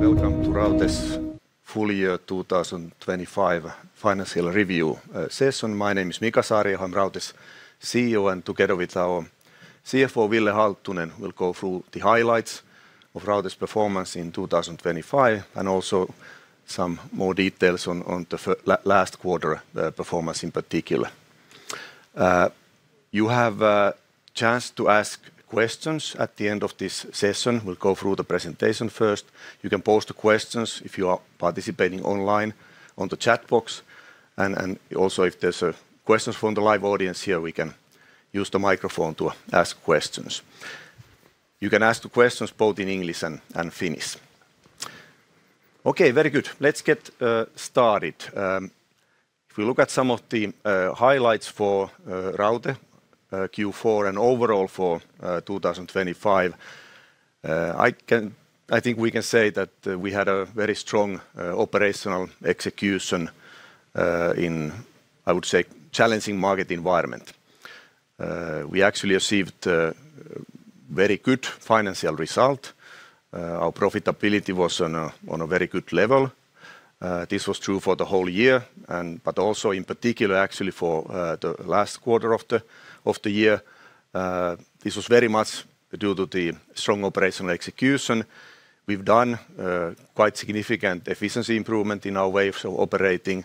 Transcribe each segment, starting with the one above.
Welcome to Raute's full year 2025 financial review session. My name is Mika Saariaho. I'm Raute's CEO, and together with our CFO, Ville Halttunen, we'll go through the highlights of Raute's performance in 2025, and also some more details on the last quarter performance in particular. You have a chance to ask questions at the end of this session. We'll go through the presentation first. You can post the questions if you are participating online on the chat box, and also if there's questions from the live audience here, we can use the microphone to ask questions. You can ask the questions both in English and Finnish. Okay, very good. Let's get started. If we look at some of the highlights for Raute Q4 and overall for 2025, I think we can say that we had a very strong operational execution in, I would say, challenging market environment. We actually achieved very good financial result. Our profitability was on a very good level. This was true for the whole year, and but also in particular, actually for the last quarter of the year. This was very much due to the strong operational execution. We've done quite significant efficiency improvement in our ways of operating.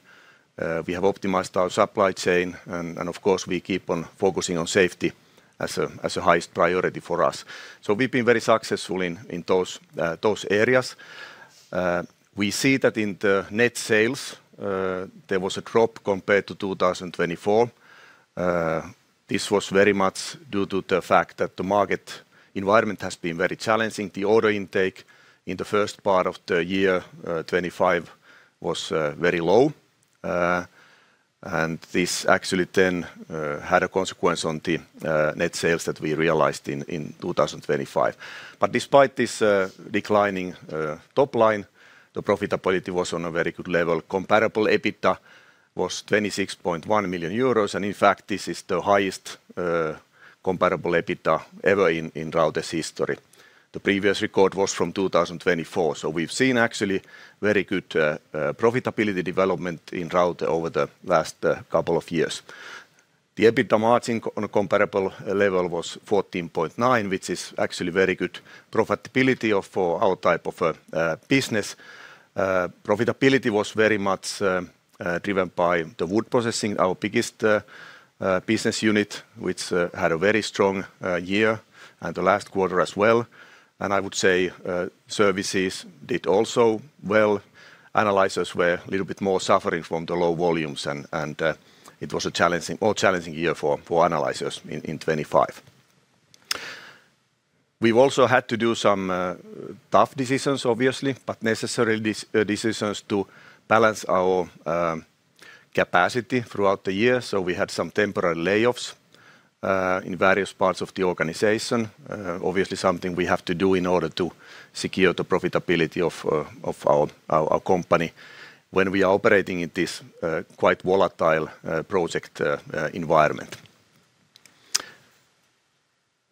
We have optimized our supply chain, and of course, we keep on focusing on safety as a highest priority for us. So we've been very successful in those areas. We see that in the net sales, there was a drop compared to 2024. This was very much due to the fact that the market environment has been very challenging. The order intake in the first part of the year, 2025 was very low. And this actually then had a consequence on the net sales that we realized in 2025. But despite this declining top line, the profitability was on a very good level. Comparable EBITDA was 26.1 million euros, and in fact, this is the highest comparable EBITDA ever in Raute's history. The previous record was from 2024. So we've seen actually very good profitability development in Raute over the last couple of years. The EBITDA margin on a comparable level was 14.9%, which is actually very good profitability for our type of business. Profitability was very much driven by the Wood Processing, our biggest business unit, which had a very strong year and the last quarter as well. And I would say Services did also well. Analyzers were a little bit more suffering from the low volumes, and it was a more challenging year for Analyzers in 2025. We've also had to do some tough decisions, obviously, but necessary decisions to balance our capacity throughout the year, so we had some temporary layoffs in various parts of the organization. Obviously, something we have to do in order to secure the profitability of our company when we are operating in this quite volatile project environment.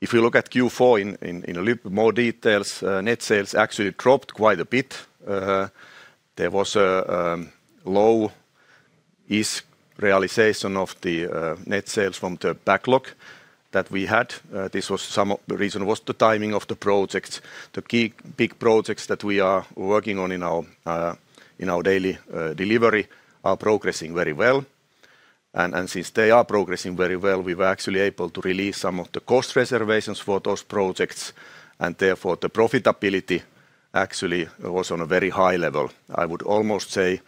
If you look at Q4 in a little more detail, net sales actually dropped quite a bit. There was a low-ish realization of the net sales from the backlog that we had. This was some of the reason: the timing of the projects. The key big projects that we are working on in our daily delivery are progressing very well. And since they are progressing very well, we were actually able to release some of the cost reservations for those projects, and therefore, the profitability actually was on a very high level. I would almost say,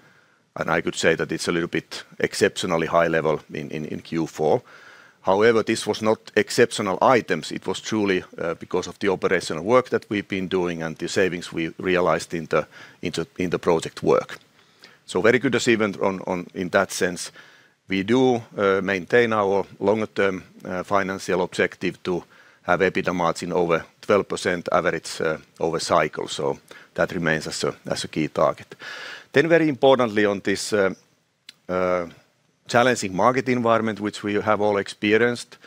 and I could say that it's a little bit exceptionally high level in Q4. However, this was not exceptional items. It was truly because of the operational work that we've been doing and the savings we realized in the project work. So very good achievement in that sense. We do maintain our longer-term financial objective to have EBITDA margin over 12% average over cycle, so that remains as a key target. Then very importantly, on this challenging market environment, which we have all experienced,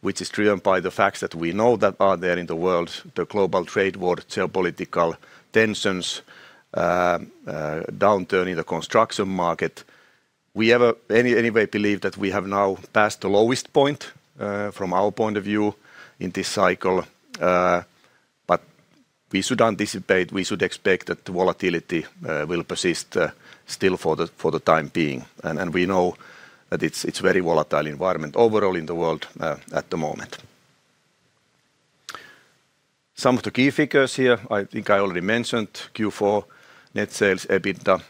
which is driven by the facts that we know that are there in the world, the global trade war, geopolitical tensions, downturn in the construction market. We have anyway believed that we have now passed the lowest point from our point of view in this cycle. But we should anticipate, we should expect that the volatility will persist still for the time being. And we know that it's very volatile environment overall in the world at the moment. Some of the key figures here, I think I already mentioned Q4 net sales, EBITDA.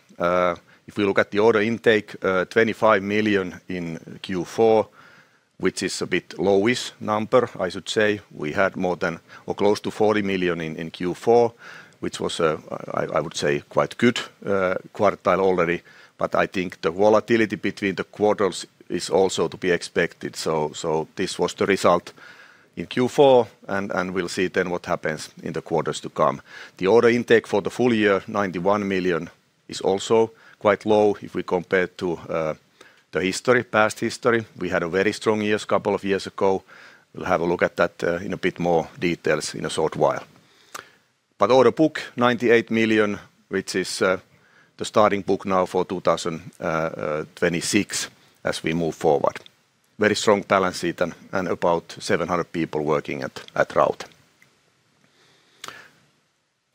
If we look at the order intake, 25 million in Q4, which is a bit lowish number, I should say. We had more than or close to 40 million in Q4, which was, I would say, quite good quarter already, but I think the volatility between the quarters is also to be expected. So, this was the result in Q4, and we'll see then what happens in the quarters to come. The order intake for the full year, 91 million, is also quite low if we compare to the history, past history. We had a very strong years couple of years ago. We'll have a look at that in a bit more details in a short while. But order book, 98 million, which is the starting book now for 2026 as we move forward. Very strong balance sheet and about 700 people working at Raute.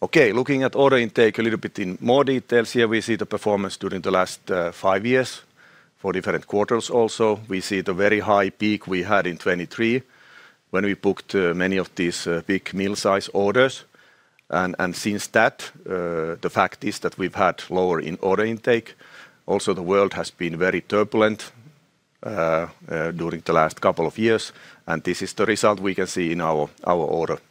Okay, looking at order intake a little bit in more details here, we see the performance during the last five years for different quarters also. We see the very high peak we had in 2023, when we booked many of these big mill-size orders. And since that, the fact is that we've had lower in order intake. Also, the world has been very turbulent during the last couple of years, and this is the result we can see in our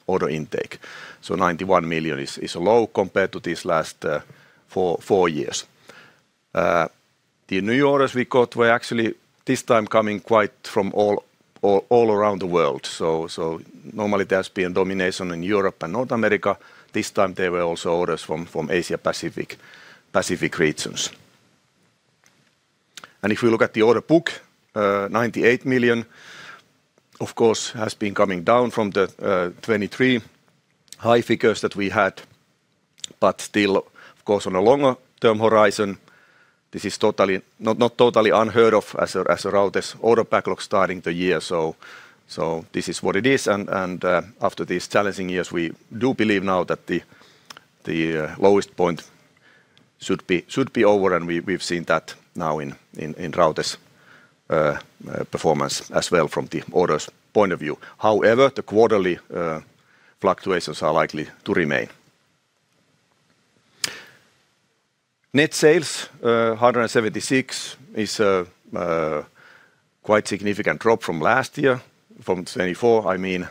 order intake. So 91 million is low compared to this last four years. The new orders we got were actually this time coming quite from all around the world. So normally, there has been domination in Europe and North America. This time, there were also orders from Asia-Pacific regions. And if we look at the order book, 98 million, of course, has been coming down from the 2023 high figures that we had. But still, of course, on a longer term horizon, this is totally not totally unheard of as a Raute's order backlog starting the year. So this is what it is, and after these challenging years, we do believe now that the lowest point should be over, and we've seen that now in Raute's performance as well from the orders point of view. However, the quarterly fluctuations are likely to remain. Net sales 176 is a quite significant drop from last year, from 2024. I mean,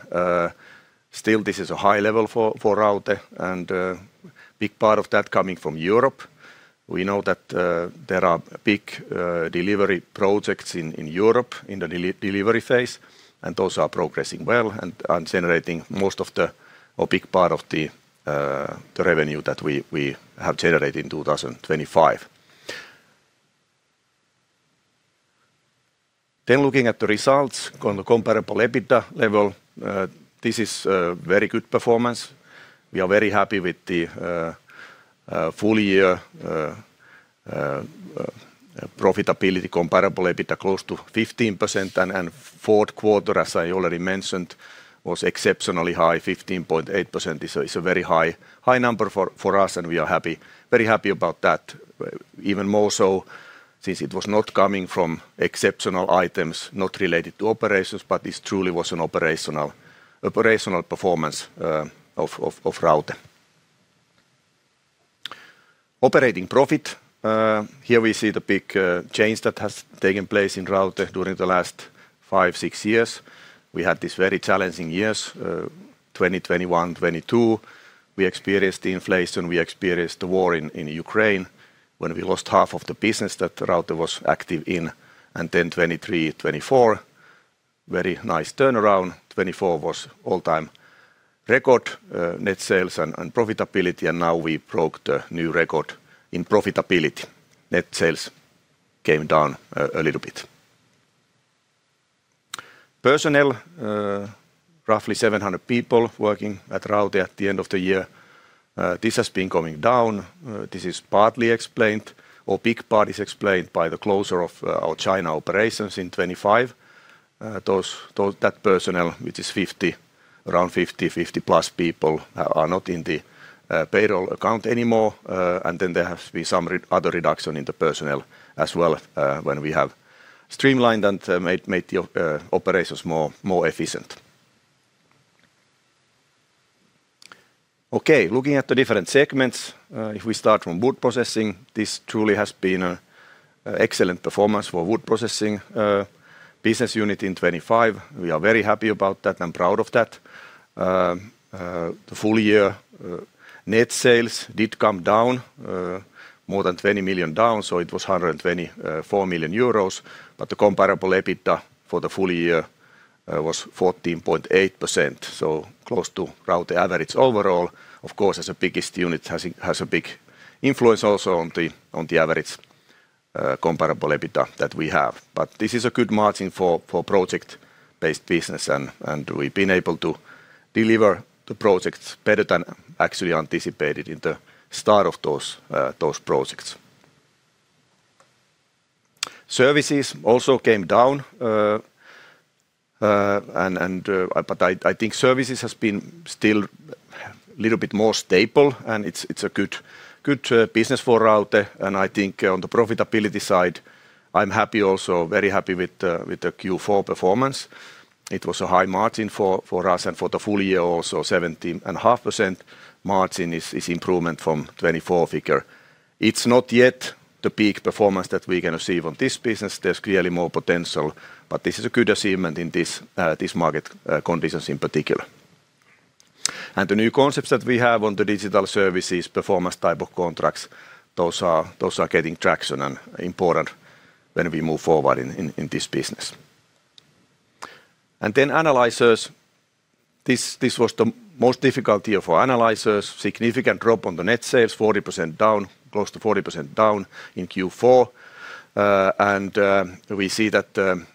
still this is a high level for Raute and big part of that coming from Europe. We know that there are big delivery projects in Europe in the delivery phase, and those are progressing well and generating most of the or big part of the revenue that we have generated in 2025. Then looking at the results on the comparable EBITDA level, this is a very good performance. We are very happy with the full year profitability comparable EBITDA close to 15%, and fourth quarter, as I already mentioned, was exceptionally high, 15.8%. This is a very high number for us, and we are happy, very happy about that. Even more so, since it was not coming from exceptional items not related to operations, but this truly was an operational performance of Raute. Operating profit, here we see the big change that has taken place in Raute during the last five, six years. We had these very challenging years, 2021, 2022. We experienced the inflation, we experienced the war in Ukraine, when we lost half of the business that Raute was active in. And then 2023, 2024, very nice turnaround. 2024 was all-time record, net sales and profitability, and now we broke the new record in profitability. Net sales came down a little bit. Personnel, roughly 700 people working at Raute at the end of the year. This has been coming down. This is partly explained, or big part is explained by the closure of our China operations in 2025. That personnel, which is 50, around 50-50+ people, are not in the payroll account anymore. And then there has to be some other reduction in the personnel as well, when we have streamlined and made the operations more efficient. Okay, looking at the different segments, if we start from Wood Processing, this truly has been an excellent performance for Wood Processing business unit in 2025. We are very happy about that and proud of that. The full year net sales did come down more than 20 million, so it was 124 million euros, but the comparable EBITDA for the full year was 14.8%, so close to Raute average overall. Of course, as a biggest unit, has a big influence also on the average comparable EBITDA that we have. But this is a good margin for project-based business, and we've been able to deliver the projects better than actually anticipated in the start of those projects. Services also came down, and but I think Services has been still little bit more stable, and it's a good business for Raute. And I think on the profitability side, I'm happy also, very happy with the Q4 performance. It was a high margin for us, and for the full year, also 17.5% margin is improvement from 2024 figure. It's not yet the peak performance that we can achieve on this business. There's clearly more potential, but this is a good achievement in this, this market conditions in particular. And the new concepts that we have on the digital Services, performance type of contracts, those are- those are getting traction and important when we move forward in, in, in this business.... And then Analyzers, this, this was the most difficult year for Analyzers. Significant drop on the net sales, 40% down, close to 40% down in Q4. And, we see that the,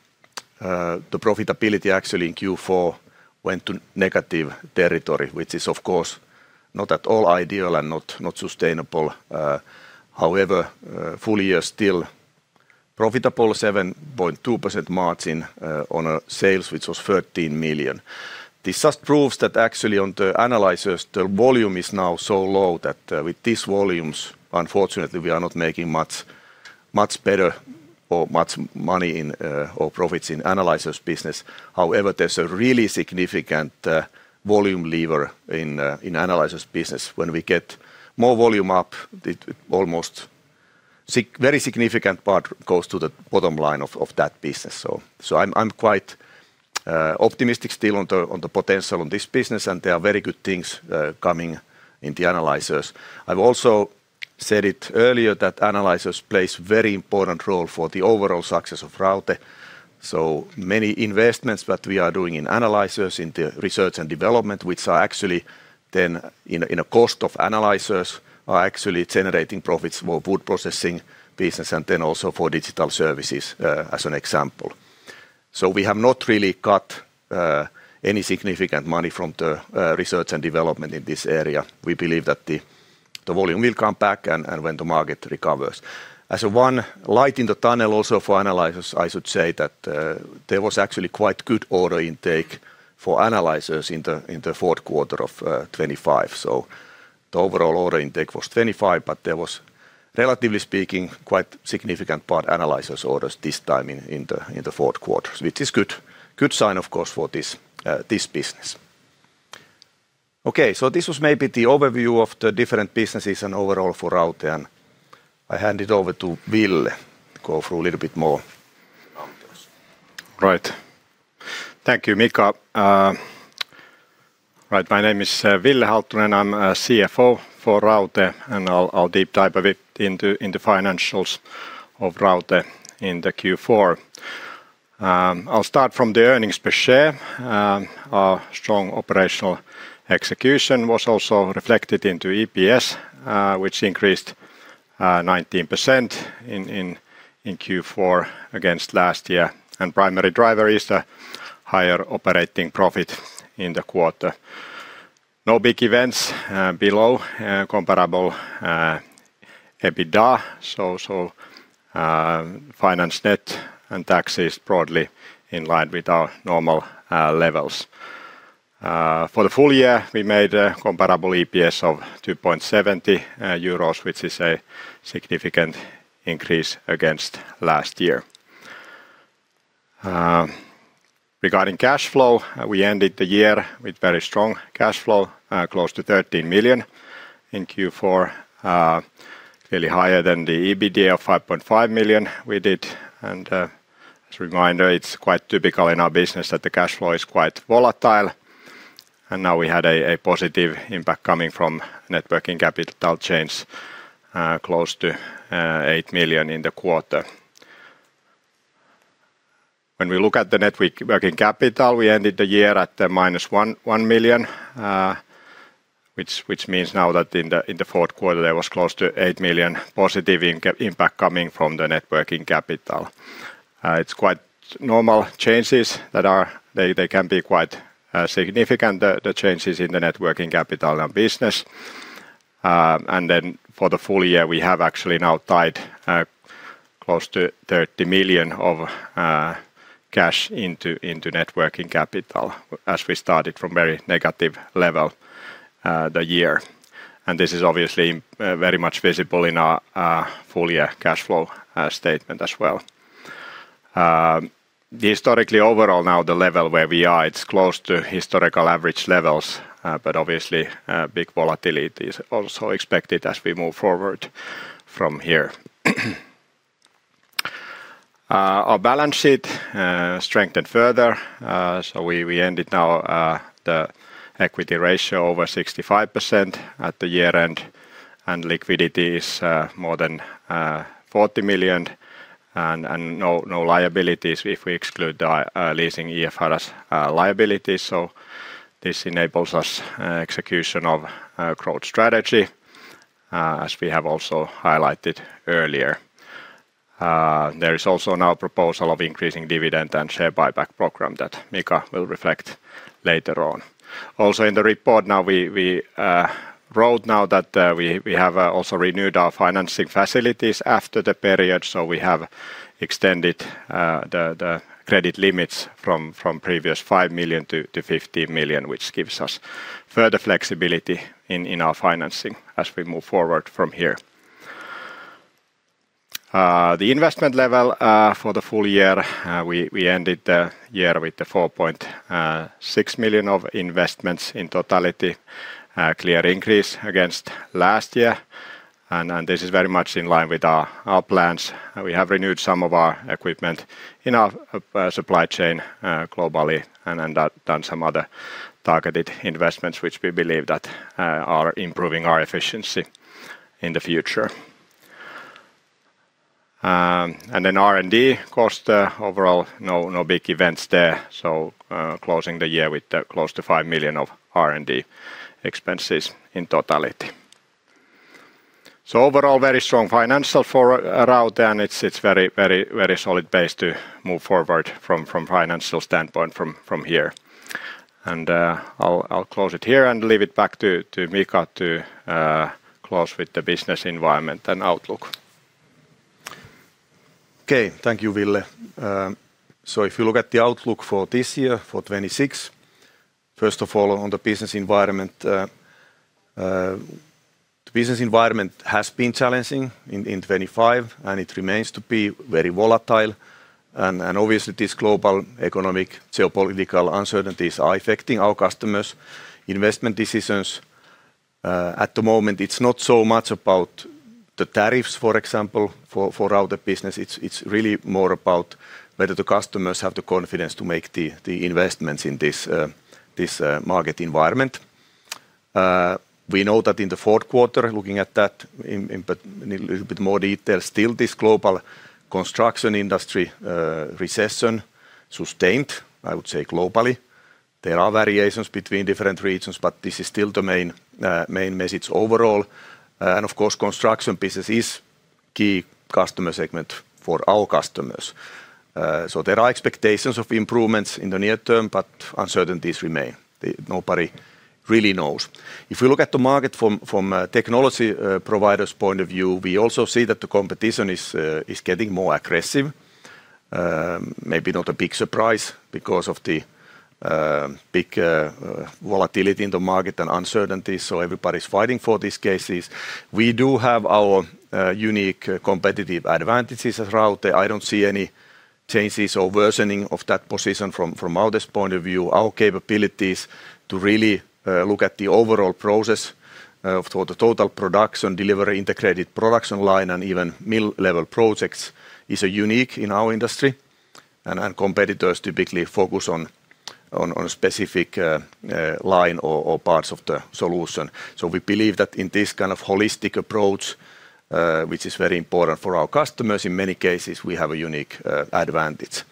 the profitability actually in Q4 went to negative territory, which is, of course, not at all ideal and not, not sustainable. However, full year still profitable 7.2% margin, on a sales, which was 13 million. This just proves that actually on the Analyzers, the volume is now so low that, with these volumes, unfortunately, we are not making much, much better or much money in, or profits in Analyzers business. However, there's a really significant volume lever in, in Analyzers business. When we get more volume up, it almost very significant part goes to the bottom line of, of that business. So, so I'm, I'm quite optimistic still on the, on the potential on this business, and there are very good things coming in the Analyzers. I've also said it earlier that Analyzers plays very important role for the overall success of Raute. So many investments that we are doing in Analyzers, into research and development, which are actually then in a cost of Analyzers, are actually generating profits for Wood Processing business and then also for digital Services, as an example. So we have not really got any significant money from the research and development in this area. We believe that the volume will come back and when the market recovers. As one light in the tunnel also for Analyzers, I should say that there was actually quite good order intake for Analyzers in the fourth quarter of 2025. So the overall order intake was 25 million, but there was, relatively speaking, quite significant part Analyzers orders this time in the fourth quarter, which is good sign, of course, for this business. Okay, so this was maybe the overview of the different businesses and overall for Raute, and I hand it over to Ville to go through a little bit more details. Right. Thank you, Mika. Right, my name is Ville Halttunen, I'm CFO for Raute, and I'll deep dive a bit into the financials of Raute in the Q4. I'll start from the earnings per share. Our strong operational execution was also reflected into EPS, which increased 19% in Q4 against last year. And primary driver is the higher operating profit in the quarter. No big events below comparable EBITDA. So, finance net and tax is broadly in line with our normal levels. For the full year, we made a comparable EPS of 2.70 euros, which is a significant increase against last year. Regarding cash flow, we ended the year with very strong cash flow close to 13 million in Q4. Clearly higher than the EBITDA of 5.5 million we did. As a reminder, it's quite typical in our business that the cash flow is quite volatile, and now we had a positive impact coming from net working capital change, close to 8 million in the quarter. When we look at the net working capital, we ended the year at -1.1 million, which means now that in the fourth quarter, there was close to 8 million positive impact coming from the net working capital. It's quite normal changes that are. They can be quite significant, the changes in the net working capital and business. Then for the full year, we have actually now tied close to 30 million of cash into net working capital, as we started from very negative level the year. And this is obviously very much visible in our full year cash flow statement as well. Historically, overall now, the level where we are, it's close to historical average levels, but obviously big volatility is also expected as we move forward from here. Our balance sheet strengthened further. So we ended now the equity ratio over 65% at the year-end, and liquidity is more than 40 million and no liabilities, if we exclude our leasing IFRS liabilities. So this enables us execution of growth strategy, as we have also highlighted earlier. There is also now proposal of increasing dividend and share buyback program that Mika will reflect later on. Also in the report, now, we wrote now that, we have also renewed our financing facilities after the period, so we have extended the credit limits from previous 5 million to 50 million, which gives us further flexibility in our financing as we move forward from here. The investment level for the full year we ended the year with the 4.6 million of investments in totality, clear increase against last year, and this is very much in line with our plans. We have renewed some of our equipment in our supply chain globally, and done some other targeted investments, which we believe that are improving our efficiency in the future. And then R&D cost overall, no big events there. So, closing the year with close to 5 million of R&D expenses in totality. So overall, very strong financial for Raute, and it's very solid base to move forward from financial standpoint from here. And I'll close it here and leave it back to Mika to close with the business environment and outlook. Okay. Thank you, Ville. So if you look at the outlook for this year, for 2026, first of all, on the business environment, the business environment has been challenging in 2025, and it remains to be very volatile. And obviously, this global economic geopolitical uncertainties are affecting our customers' investment decisions. At the moment, it's not so much about the tariffs, for example, for our other business, it's really more about whether the customers have the confidence to make the investments in this market environment. We know that in the fourth quarter, looking at that, but in a little bit more detail, still this global construction industry recession sustained, I would say, globally. There are variations between different regions, but this is still the main message overall. And of course, construction business is key customer segment for our customers. So there are expectations of improvements in the near term, but uncertainties remain. Nobody really knows. If you look at the market from a technology provider's point of view, we also see that the competition is getting more aggressive. Maybe not a big surprise because of the big volatility in the market and uncertainty, so everybody's fighting for these cases. We do have our unique competitive advantages at Raute. I don't see any changes or worsening of that position from our this point of view. Our capabilities to really look at the overall process for the total production, delivery, integrated production line, and even mill-level projects is unique in our industry, and competitors typically focus on a specific line or parts of the solution. So we believe that in this kind of holistic approach, which is very important for our customers, in many cases, we have a unique advantage.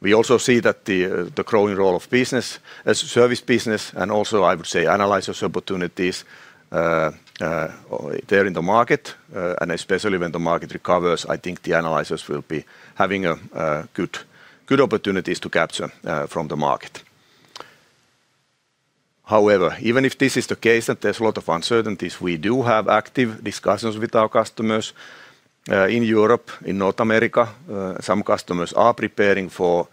We also see that the growing role of business as service business, and also, I would say, Analyzers opportunities there in the market, and especially when the market recovers, I think the Analyzers will be having a good opportunities to capture from the market. However, even if this is the case and there's a lot of uncertainties, we do have active discussions with our customers in Europe, in North America. Some customers are preparing for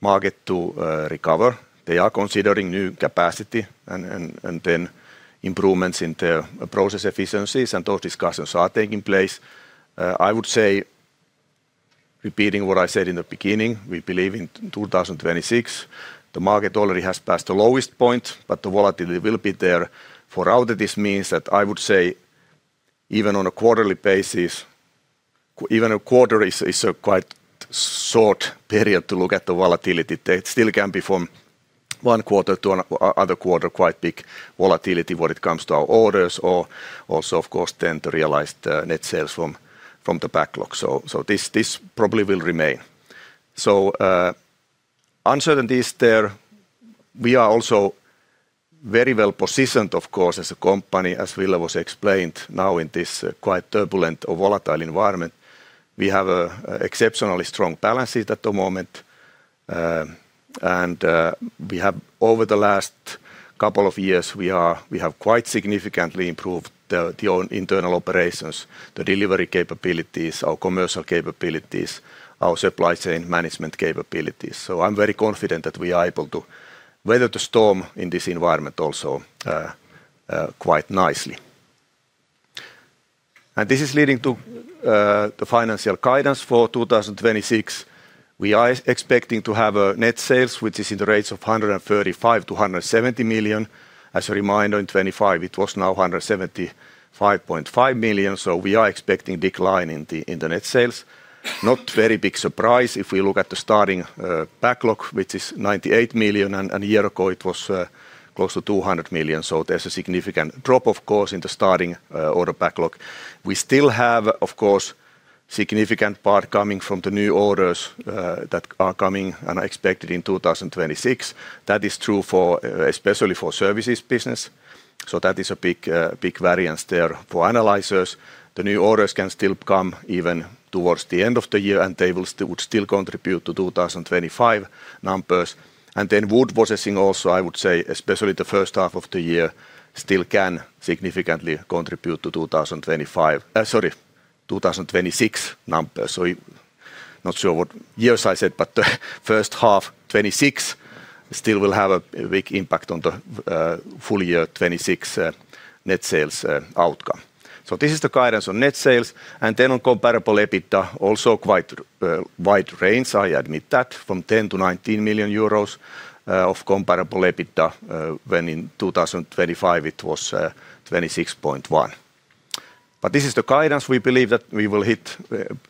market to recover. They are considering new capacity and then improvements in their process efficiencies, and those discussions are taking place. I would say, repeating what I said in the beginning, we believe in 2026, the market already has passed the lowest point, but the volatility will be there. For Raute, this means that, I would say, even on a quarterly basis, even a quarter is a quite short period to look at the volatility. There still can be from one quarter to another quarter, quite big volatility when it comes to our orders, or also, of course, then to realize the net sales from the backlog. This probably will remain. Uncertainty is there. We are also very well positioned, of course, as a company, as Ville explained, now in this quite turbulent or volatile environment. We have an exceptionally strong balance sheet at the moment. We have over the last couple of years quite significantly improved our own internal operations, the delivery capabilities, our commercial capabilities, our supply chain management capabilities. So I'm very confident that we are able to weather the storm in this environment also quite nicely. This is leading to the financial guidance for 2026. We are expecting to have net sales, which is in the range of 135 million-170 million. As a reminder, in 2025, it was 175.5 million, so we are expecting decline in the net sales. Not very big surprise if we look at the starting backlog, which is 98 million, and a year ago, it was close to 200 million. So there's a significant drop, of course, in the starting order backlog. We still have, of course, significant part coming from the new orders that are coming and are expected in 2026. That is true for especially for Services business, so that is a big variance there for Analyzers. The new orders can still come even towards the end of the year, and they would still contribute to 2025 numbers. And then Wood Processing also, I would say, especially the first half of the year, still can significantly contribute to 2025, 2026 numbers. So not sure what years I said, but the first half 2026 still will have a big impact on the full year 2026 net sales outcome. So this is the guidance on net sales, and then on comparable EBITDA, also quite wide range, I admit that, from 10 million-19 million euros of comparable EBITDA, when in 2025, it was 26.1 million. But this is the guidance we believe that we will hit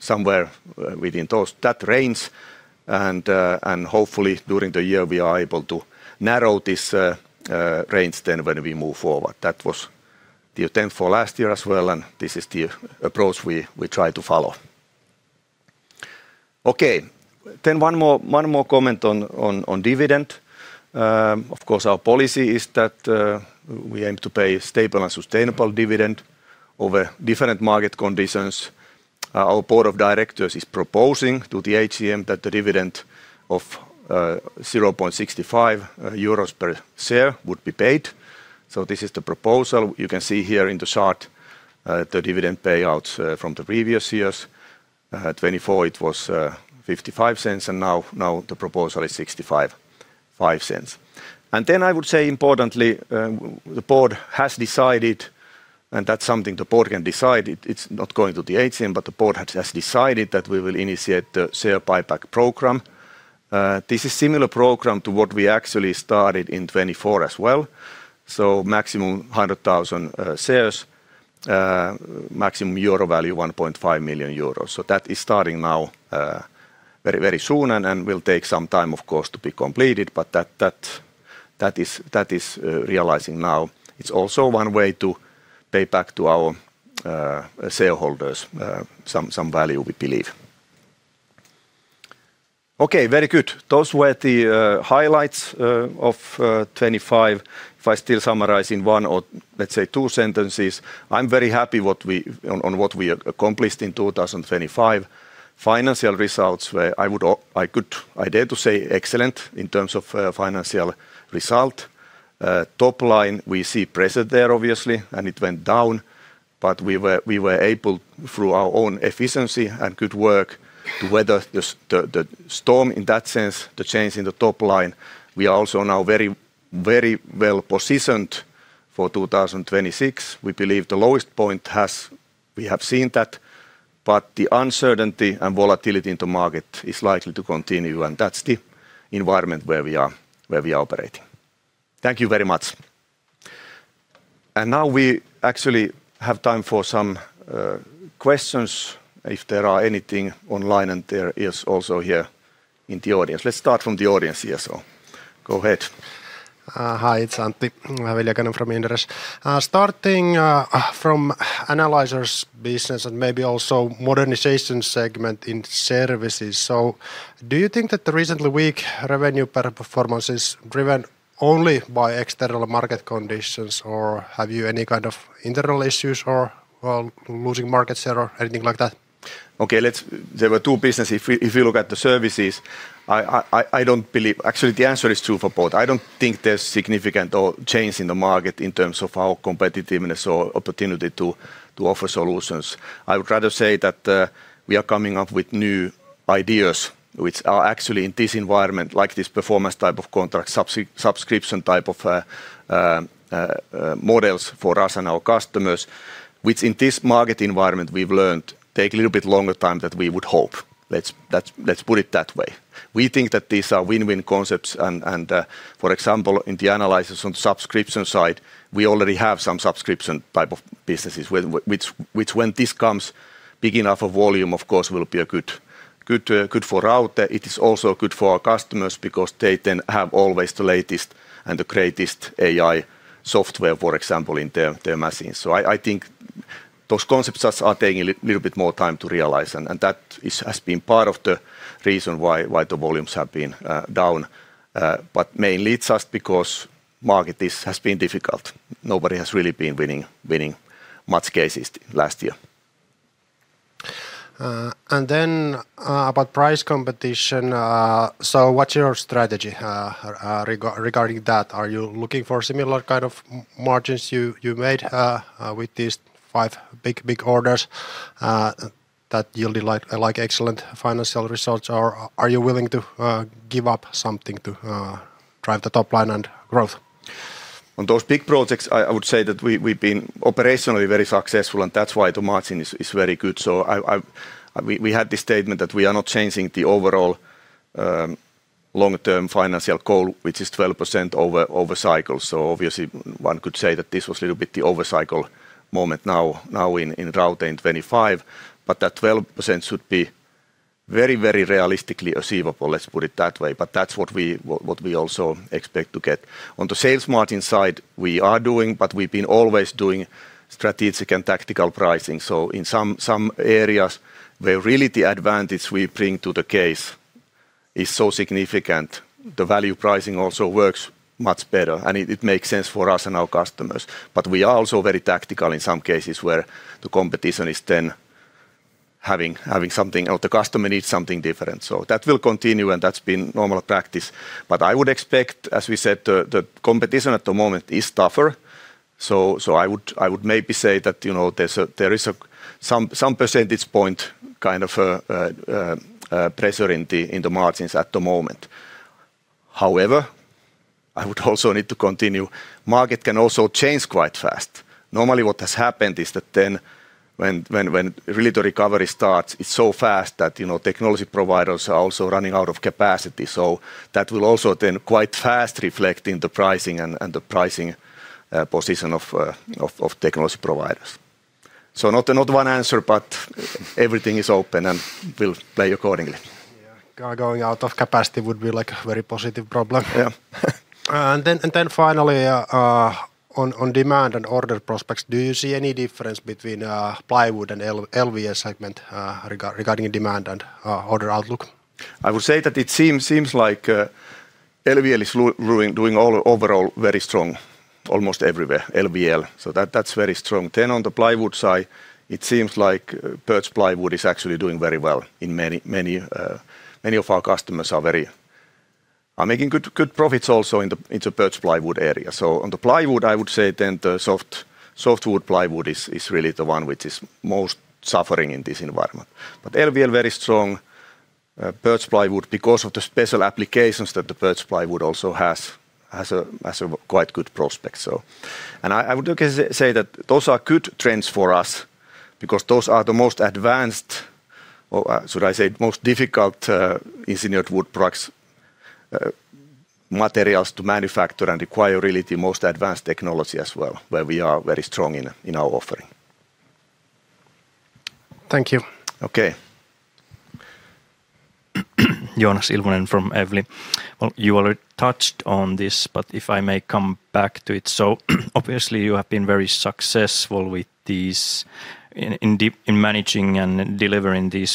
somewhere within that range, and hopefully, during the year, we are able to narrow this range then when we move forward. That was. The tenth for last year as well, and this is the approach we try to follow. Okay, then one more comment on dividend. Of course, our policy is that we aim to pay stable and sustainable dividend over different market conditions. Our board of directors is proposing to the AGM that the dividend of 0.65 euros per share would be paid. So this is the proposal. You can see here in the chart the dividend payouts from the previous years. 2024 it was 0.55, and now the proposal is 0.65. And then I would say importantly, the board has decided, and that's something the board can decide, it's not going to the AGM, but the board has just decided that we will initiate the share buyback program. This is similar program to what we actually started in 2024 as well, so maximum 100,000 shares, maximum euro value 1.5 million euros. So that is starting now, very, very soon and will take some time, of course, to be completed, but that, that, that is, that is, realizing now. It's also one way to pay back to our shareholders some, some value, we believe. Okay, very good. Those were the highlights of 2025. If I still summarize in one or, let's say, two sentences, I'm very happy what we, on what we accomplished in 2025. Financial results where I would I could, I dare to say, excellent in terms of financial result. Top line, we see pressure there, obviously, and it went down, but we were able, through our own efficiency and good work, to weather the storm in that sense, the change in the top line. We are also now very, very well positioned for 2026. We believe the lowest point has. we have seen that, but the uncertainty and volatility in the market is likely to continue, and that's the environment where we are operating. Thank you very much. And now we actually have time for some questions, if there are anything online, and there is also here in the audience. Let's start from the audience here, so go ahead. Hi, it's Antti Viljakainen from Inderes. Starting from Analyzers business and maybe also modernization segment in Services, so do you think that the recently weak revenue performance is driven only by external market conditions, or have you any kind of internal issues or, well, losing market share or anything like that? Okay. There were two business. If we, if you look at the Services, I don't believe. Actually, the answer is true for both. I don't think there's significant change in the market in terms of our competitiveness or opportunity to offer solutions. I would rather say that we are coming up with new ideas, which are actually in this environment, like this performance type of contract, subscription type of models for us and our customers, which in this market environment, we've learned take a little bit longer time than we would hope. Let's put it that way. We think that these are win-win concepts and, for example, in the Analyzers on subscription side, we already have some subscription type of businesses, which, which when this comes, big enough of volume, of course, will be a good for Raute. It is also good for our customers because they then have always the latest and the greatest AI software, for example, in their machines. So I think those concepts just are taking a little bit more time to realize, and that is, has been part of the reason why the volumes have been down. But mainly it's just because market is, has been difficult. Nobody has really been winning much cases last year. About price competition, so what's your strategy regarding that? Are you looking for similar kind of margins you made with these five big, big orders that you'll be like excellent financial results? Or are you willing to give up something to drive the top line and growth? On those big projects, I would say that we have been operationally very successful, and that's why the margin is very good. So we had this statement that we are not changing the overall long-term financial goal, which is 12% over cycle. So obviously, one could say that this was a little bit the overcycle moment now in Raute in 2025, but that 12% should be very realistically achievable, let's put it that way. But that's what we also expect to get. On the sales margin side, but we've been always doing strategic and tactical pricing, so in some areas where really the advantage we bring to the case is so significant, the value pricing also works much better, and it makes sense for us and our customers. But we are also very tactical in some cases where the competition is then having something, or the customer needs something different. So that will continue, and that's been normal practice. But I would expect, as we said, the competition at the moment is tougher, so I would maybe say that, you know, there is some percentage point kind of pressure in the margins at the moment. However, I would also need to continue, market can also change quite fast. Normally, what has happened is that then when really the recovery starts, it's so fast that, you know, technology providers are also running out of capacity, so that will also then quite fast reflect in the pricing and the pricing position of technology providers. Not, not one answer, but everything is open, and we'll play accordingly. Yeah, going out of capacity would be, like, a very positive problem. Yeah. And then finally, on demand and order prospects, do you see any difference between plywood and LVL segment, regarding demand and order outlook? I would say that it seems like LVL is doing overall very strong almost everywhere, LVL. So that's very strong. Then on the plywood side, it seems like Birch plywood is actually doing very well in many, many. Many of our customers are making good profits also in the Birch plywood area. So on the plywood, I would say then the Softwood plywood is really the one which is most suffering in this environment. But LVL, very strong. Birch plywood, because of the special applications that the birch plywood also has, has a quite good prospect, so. I would say that those are good trends for us because those are the most advanced or, should I say, most difficult engineered wood products, materials to manufacture and require really the most advanced technology as well, where we are very strong in our offering. Thank you. Okay. Joonas Ilvonen from Evli. Well, you already touched on this, but if I may come back to it. So obviously, you have been very successful with these in managing and delivering these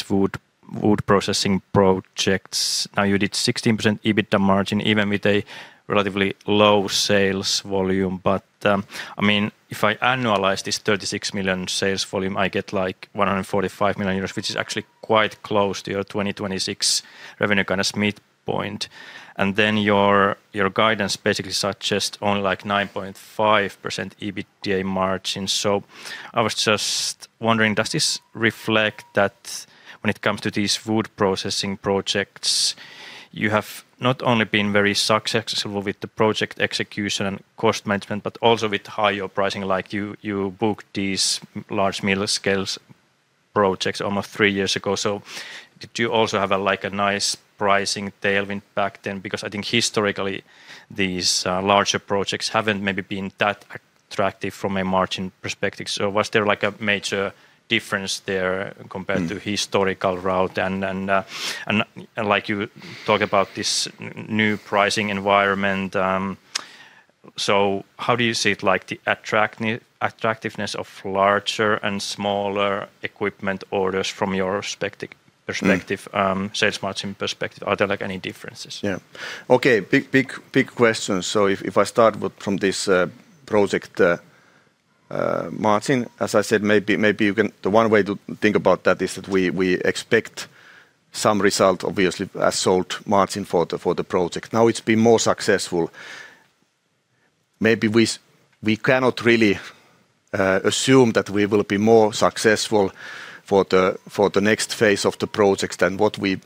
Wood Processing projects. Now, you did 16% EBITDA margin, even with a relatively low sales volume. But, I mean, if I annualize this 36 million sales volume, I get, like, 145 million euros, which is actually quite close to your 2026 revenue kind of midpoint. And then your guidance basically suggest on, like, 9.5% EBITDA margin. So I was just wondering, does this reflect that when it comes to these Wood Processing projects, you have not only been very successful with the project execution and cost management, but also with higher pricing? Like, you booked these large mill-scale projects almost three years ago, so did you also have a, like, a nice pricing tailwind back then? Because I think historically, these larger projects haven't maybe been that attractive from a margin perspective. So was there, like, a major difference there compared to historical Raute? Like you talk about this new pricing environment, so how do you see it, like, the attractiveness of larger and smaller equipment orders from your perspective, sales margin perspective? Are there, like, any differences? Yeah. Okay, big, big, big question. So if, if I start with from this project margin, as I said, maybe, maybe you can. The one way to think about that is that we, we expect some result, obviously, as sold margin for the, for the project. Now, it's been more successful. Maybe we, we cannot really assume that we will be more successful for the, for the next phase of the projects than what we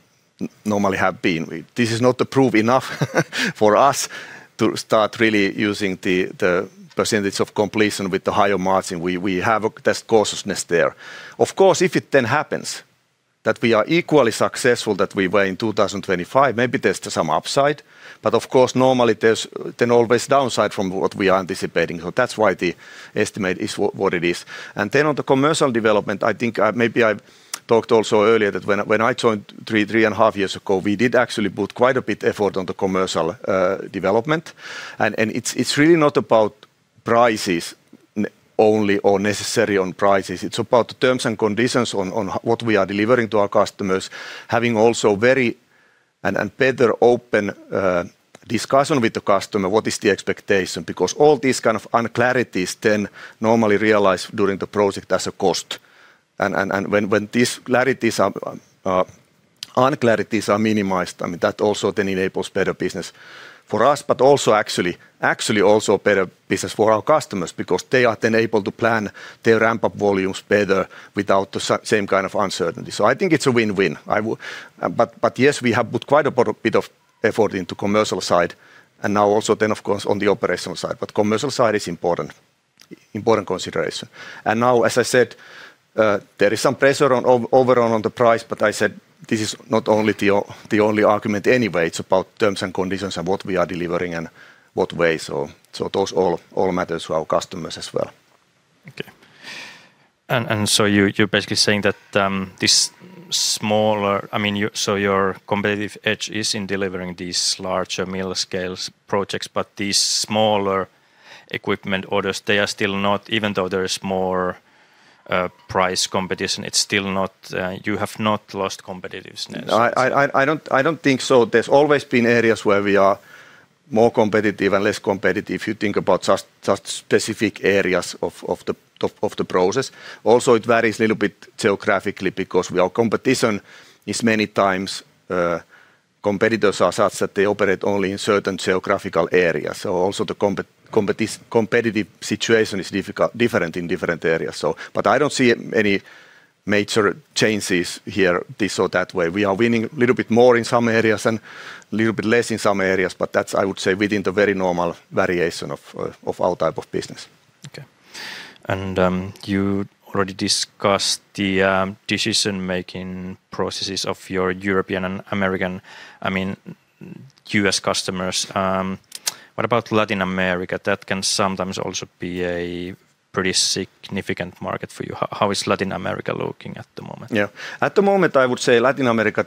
normally have been. This is not the proof enough for us to start really using the, the percentage of completion with the higher margin. We, we have there's cautiousness there. Of course, if it then happens that we are equally successful that we were in 2025, maybe there's some upside, but of course, normally there's then always downside from what we are anticipating. So that's why the estimate is what it is. And then on the commercial development, I think, maybe I've talked also earlier, that when I joined three and a half years ago, we did actually put quite a bit effort on the commercial development. And it's really not about prices not only or necessarily on prices, it's about the terms and conditions on what we are delivering to our customers, having also very and better open discussion with the customer, what is the expectation? Because all these kind of unclarities then normally realize during the project as a cost. When these uncertainties are minimized, I mean, that also then enables better business for us, but also actually also better business for our customers because they are then able to plan their ramp-up volumes better without the same kind of uncertainty. So I think it's a win-win. But yes, we have put quite a bit of effort into commercial side, and now also then, of course, on the operational side. But commercial side is important consideration. And now, as I said, there is some pressure overall on the price, but I said this is not only the only argument anyway. It's about terms and conditions and what we are delivering and what way. So those all matters to our customers as well. Okay. And so you're basically saying that, I mean, so your competitive edge is in delivering these larger mill-scale projects, but these smaller equipment orders, they are still not-- Even though there is more price competition, it's still not. You have not lost competitiveness? I don't think so. There's always been areas where we are more competitive and less competitive. If you think about just specific areas of the process. Also, it varies a little bit geographically because our competition is many times competitors are such that they operate only in certain geographical areas. So also the competitive situation is different in different areas, so. But I don't see any major changes here, this or that way. We are winning a little bit more in some areas and a little bit less in some areas, but that's, I would say, within the very normal variation of our type of business. Okay. You already discussed the decision-making processes of your European and American, I mean, U.S. customers. What about Latin America? That can sometimes also be a pretty significant market for you. How is Latin America looking at the moment? Yeah. At the moment, I would say Latin America,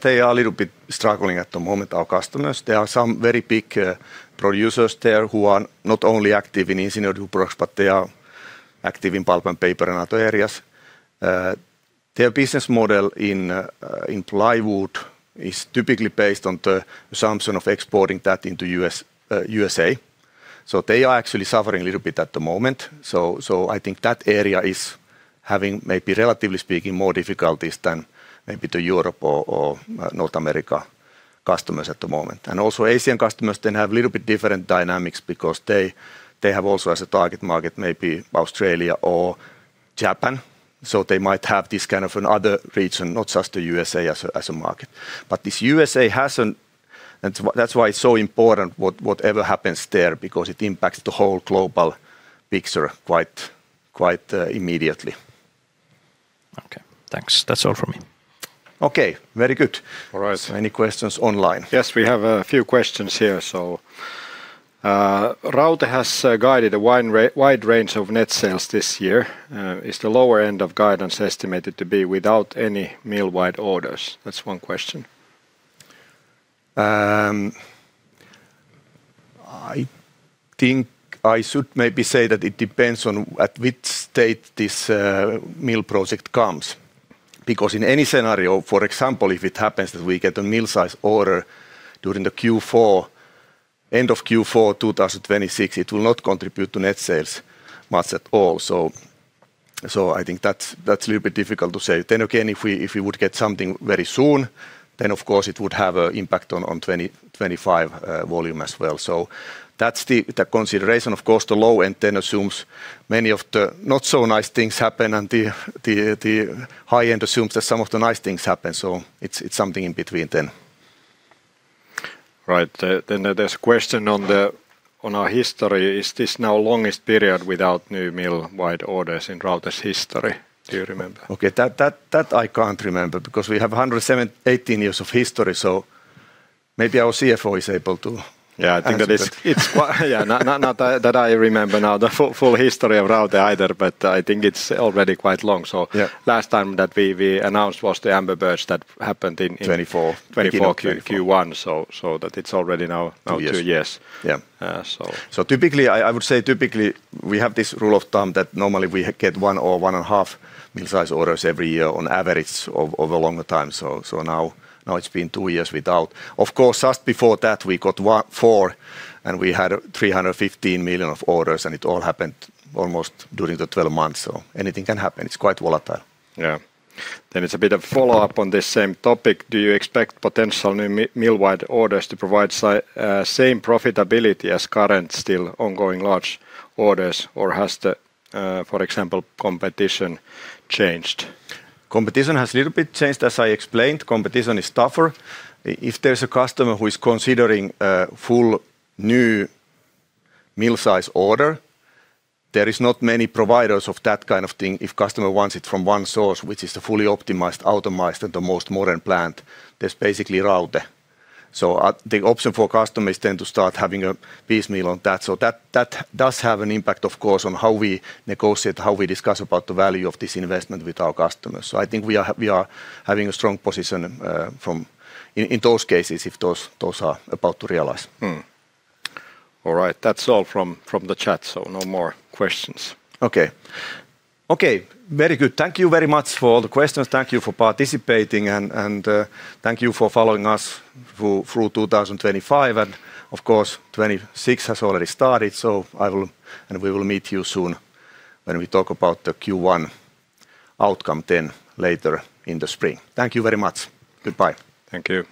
they are a little bit struggling at the moment, our customers. There are some very big producers there who are not only active in engineered products, but they are active in pulp and paper and other areas. Their business model in plywood is typically based on the assumption of exporting that into USA. So they are actually suffering a little bit at the moment. So I think that area is having, maybe relatively speaking, more difficulties than maybe the Europe or North America customers at the moment. And also Asian customers, they have a little bit different dynamics because they have also as a target market, maybe Australia or Japan, so they might have this kind of another region, not just the USA as a market. But this USA hasn't. And that's why it's so important whatever happens there, because it impacts the whole global picture quite, quite, immediately. Okay, thanks. That's all from me. Okay, very good. All right. Any questions online? Yes, we have a few questions here. So, Raute has guided a wide range of net sales this year. Is the lower end of guidance estimated to be without any mill-wide orders? That's one question. I think I should maybe say that it depends on at which state this mill project comes. Because in any scenario, for example, if it happens that we get a mill-size order during the Q4, end of Q4, 2026, it will not contribute to net sales much at all. So I think that's a little bit difficult to say. Then again, if we would get something very soon, then of course it would have a impact on 2025 volume as well. So that's the consideration. Of course, the low end then assumes many of the not so nice things happen, and the high end assumes that some of the nice things happen. So it's something in between then. Right. Then there's a question on the, on our history. Is this now longest period without new mill-wide orders in Raute's history? Do you remember? Okay, that I can't remember, because we have 118 years of history, so maybe our CFO is able to- Yeah, I think that is. Yeah. Not that I remember now the full history of Raute either, but I think it's already quite long. So- Yeah last time that we announced was the AmberBirch that happened in. Twenty-four 2024 Q1, so that it's already now- Two years Two years. Yeah. Uh, so. Typically, we have this rule of thumb that normally we get 1 or 1.5 mill-scale orders every year on average over a longer time. Now it's been two years without. Of course, just before that, we got 1-4, and we had 315 million of orders, and it all happened almost during the 12 months. Anything can happen. It's quite volatile. Yeah. Then it's a bit of follow-up on this same topic. Do you expect potential new mill-wide orders to provide same profitability as current, still ongoing large orders, or has the, for example, competition changed? Competition has a little bit changed. As I explained, competition is tougher. If there's a customer who is considering a full new mill-size order, there is not many providers of that kind of thing. If customer wants it from one source, which is a fully optimized and the most modern plant, there's basically Raute. So the option for customers then to start having a piecemeal on that, so that does have an impact, of course, on how we negotiate, how we discuss about the value of this investment with our customers. So I think we are having a strong position in those cases, if those are about to realize. All right, that's all from the chat, so no more questions. Okay. Okay, very good. Thank you very much for all the questions. Thank you for participating and thank you for following us through 2025. And of course, 2026 has already started, so we will meet you soon when we talk about the Q1 outcome then later in the spring. Thank you very much. Goodbye. Thank you.